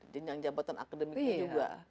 jenjang jabatan akademiknya juga